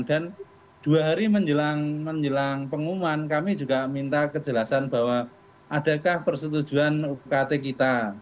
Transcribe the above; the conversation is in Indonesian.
dan dua hari menjelang pengumuman kami juga minta kejelasan bahwa adakah persetujuan ukt kita